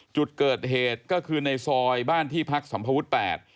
จุดเกิดเหตุก็คือในซอยบ้านที่พักสัมภวุฒิแปด